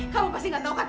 kamu pasti gak tahu kan